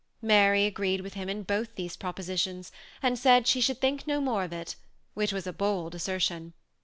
Mary agreed with him in both these propositions, and said she should think no more of it, which was a bold assertion.